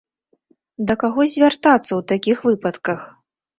Да каго звяртацца ў такіх выпадках?